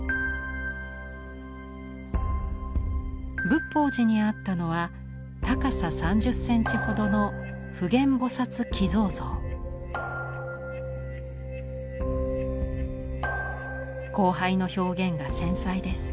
仏法寺にあったのは高さ３０センチほどの光背の表現が繊細です。